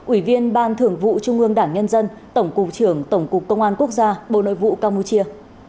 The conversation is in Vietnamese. ủy viên ban thưởng vụ trung ương đảng nhân dân tổng cục trưởng tổng cục công an quốc gia bộ nội vụ campuchia